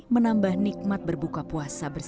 menambah nikmat berbuka puasa bersama